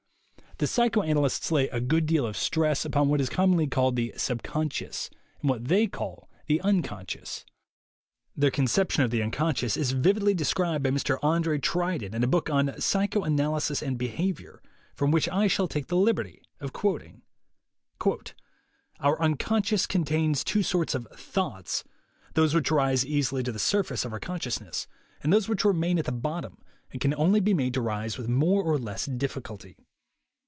The psychoanalysts lay a good deal of stress upon what is commonly called the subconscious, and what they call the unconscious. Their con ception of the unconscious is vividly described by Mr. Andre Tridon, in a book on "Psychoanalysis and Behavior," from which I shall take the liberty of quoting: "Our unconscious 'contains' two sorts of 'thoughts' : those which rise easily to the surface of our consciousness and those which remain at the bottom and can only be made to rise with more or less difficulty.